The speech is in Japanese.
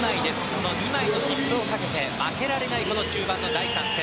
その２枚の切符をかけて負けられない中盤の第３戦。